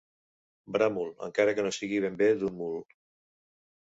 Bramul, encara que no sigui ben bé d'un mul.